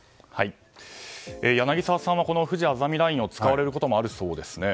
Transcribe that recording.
柳澤さんはこのふじあざみラインを使われることもあるそうですね。